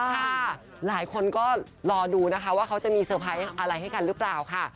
ค่ะหลายคนก็รอดูนะคะว่าเขาจะมีเซอร์ไพรส์อะไรให้กันหรือเปล่าค่ะ